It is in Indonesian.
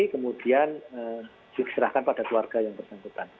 kemudian diserahkan pada keluarga yang bersangkutan